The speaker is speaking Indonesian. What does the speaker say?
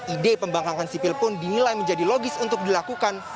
ide pembangkangan sipil pun dinilai menjadi logis untuk dilakukan